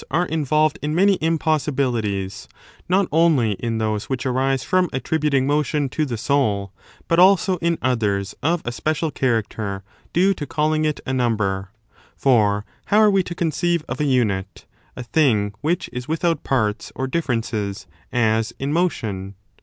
4 408 Ὁ 34—409 a 27 35 many impossibilities, not only in those which arise from attributing motion to the soul, but also in others of a special character due to calling it a number. For how are we to conceive of a unit, a thing which is without parts or differences, as in motion?